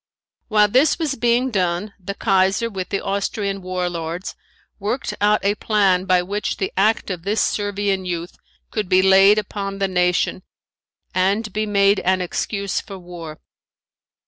While this was being done the Kaiser with the Austrian war lords worked out a plan by which the act of this Servian youth could be laid upon the nation and be made an excuse for war.